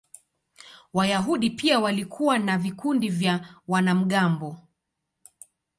Wayahudi pia walikuwa na vikundi vya wanamgambo.